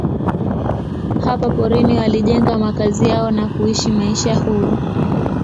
Hapa porini walijenga makazi yao na kuishi maisha huru.